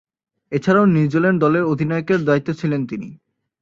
এছাড়াও, নিউজিল্যান্ড দলের অধিনায়কের দায়িত্বে ছিলেন তিনি।